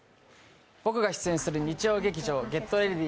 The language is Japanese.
僕が出演する日曜劇場「ＧｅｔＲｅａｄｙ！」